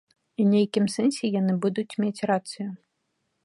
І нейкім сэнсе яны будуць мець рацыю.